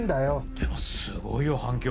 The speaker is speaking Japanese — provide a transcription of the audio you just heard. でもすごいよ反響！